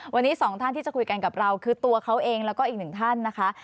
วันนี้สองท่านที่จะคุยกันกับเราคือตัวเขาเองแล้วก็อีกหนึ่งท่านนะคะ